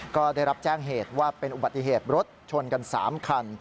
ก็ได้รับแจ้งเหตุว่าเป็นอุบัติเหตุรถชนกัน๓คัน